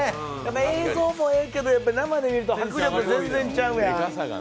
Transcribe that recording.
映像もええけど、生で見ると迫力全然ちゃうやん。